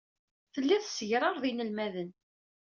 Tellid tessegrared inelmaden.